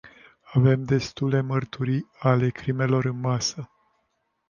Avem destule mărturii ale crimelor în masă.